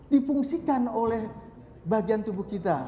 difungsikan oleh bagian tubuh kita